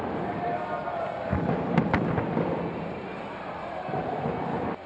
สวัสดีทุกคน